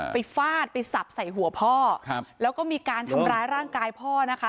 ฟาดไปสับใส่หัวพ่อครับแล้วก็มีการทำร้ายร่างกายพ่อนะคะ